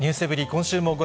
今週もご